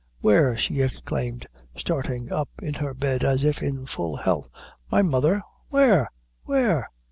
"Where?" she exclaimed, starting up in her bed, as if in full health; "my mother! where? where?"